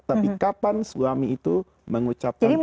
tapi kapan suami itu mengucapkan